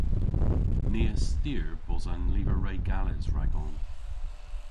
Ni a styr bos an lyver re gales ragon.